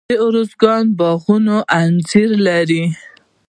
د ارزګان باغونه انځر لري.